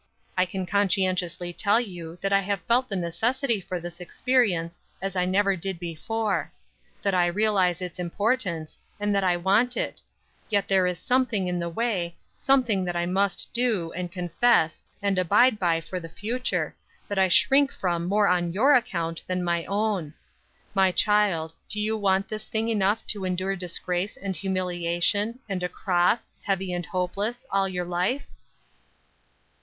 I can conscientiously tell you that I have felt the necessity for this experience as I never did before; that I realize its importance, and that I want it; yet there is something in the way, something that I must do, and confess, and abide by for the future, that I shrink from more on your account than my own. My child, do you want this thing enough to endure disgrace and humiliation, and a cross, heavy and hopeless, all your life?"